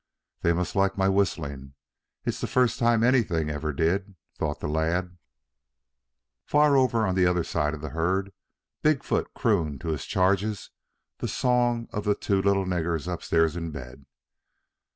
"They must like my whistling. It's the first time anything ever did," thought the lad. Far over on the other side of the herd Big foot crooned to his charges the song of the "Two little niggers upstairs in bed."